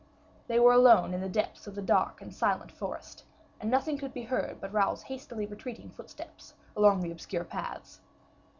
They were alone in the depths of the dark and silent forest, and nothing could be heard but Raoul's hastily retreating footsteps along the obscure paths.